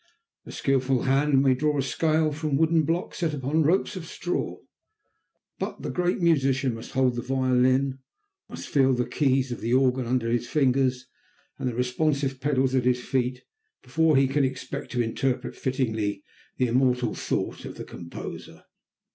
A skilful hand may draw a scale from wooden blocks set upon ropes of straw, but the great musician must hold the violin, or must feel the keys of the organ under his fingers and the responsive pedals at his feet, before he can expect to interpret fittingly the immortal thought of the composer.